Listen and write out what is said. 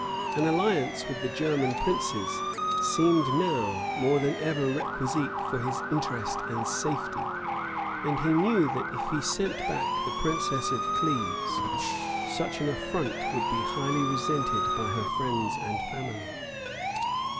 [*] An alliance with the German princes seemed now more than ever requisite for his interest and safety; and he knew that if he sent back the princess of Cleves, such an affront would be highly resented by her friends and family.